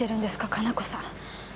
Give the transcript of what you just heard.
可奈子さん。